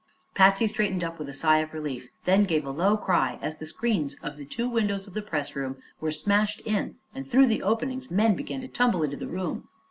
Patsy straightened up with a sigh of relief, then gave a low cry as the screens of the two windows of the pressroom were smashed in and through the openings men began to tumble into the room.